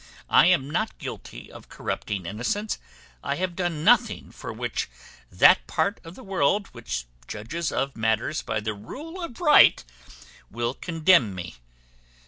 I am not guilty of corrupting innocence. I have done nothing for which that part of the world which judges of matters by the rule of right, will condemn me.